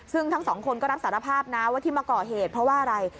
ซึ่งทั้งสองคนก็รับสารภาพนะว่าที่มาก่อเหตุเพราะว่าอะไร